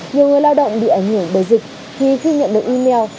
nhiều người lao động bị ảnh hưởng bởi dịch thì khi nhận được email